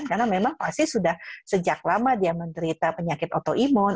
karena memang pasti sudah sejak lama dia menderita penyakit autoimun